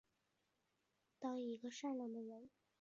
当一个善良的人